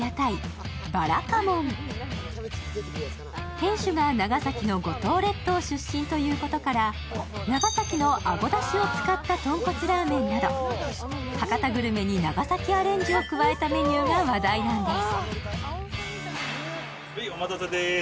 店主が長崎の五島列島出身ということから長崎のアゴだしを使った豚骨ラーメンなど博多グルメに長崎アレンジを加えたメニューが話題なんです。